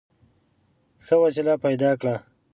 ښه وسیله پیدا کړه.